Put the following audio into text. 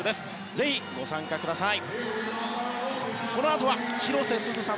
ぜひ、ご参加ください。